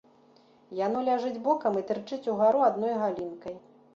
Яно ляжыць бокам і тырчыць угару адной галінкай.